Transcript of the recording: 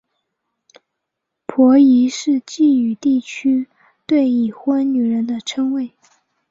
婆姨是晋语地区对已婚女人的称谓。